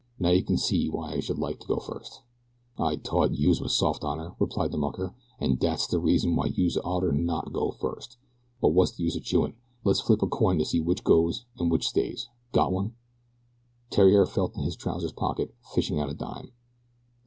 Now you can see why I should like to go first." "I t'ought youse was soft on her," replied the mucker, "an' dat's de reason w'y youse otter not go first; but wot's de use o' chewin', les flip a coin to see w'ich goes an w'ich stays got one?" Theriere felt in his trousers' pocket, fishing out a dime.